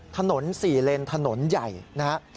ถนน๔เลนถนนใหญ่นะครับ